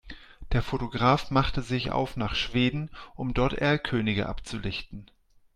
Der Fotograf machte sich auf nach Schweden, um dort Erlkönige abzulichten.